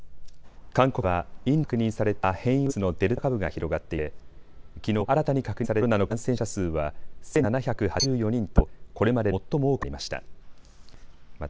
韓国ではインドで確認された変異ウイルスのデルタ株が広がっていてきのう、新たに確認された新型コロナの感染者数は１７８４人とこれまでで最も多くなりました。